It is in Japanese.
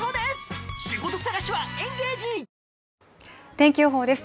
天気予報です。